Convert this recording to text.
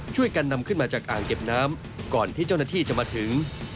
ช่วยกันนำขึ้นมาจากอ่างเก็บน้ำก่อนที่เจ้าหน้าที่จะมาถึง